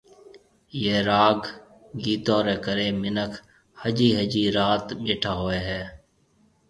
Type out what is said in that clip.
ايئي راگ گيتون ري ڪري منک ۿجي ۿجي رات ٻيٺا هوئي هي